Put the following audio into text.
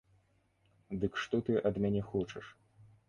Дык што ты ад мяне хочаш?